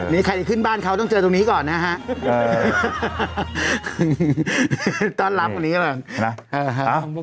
ไม่รู้อะไรดีก่อนล็อกดาวน์แล้วกันแม้